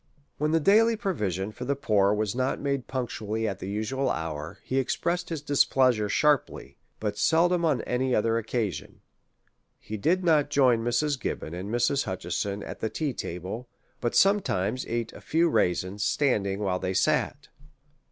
When the daily provision for the poor was not made punctually at the usual hour, he expressed his displeasure sharply, but seldom on any other occa sion. He did not join Mrs. Gibbon and Mrs. Hutche son at the tea table, but sometimes eat a few raisins standing while they sat.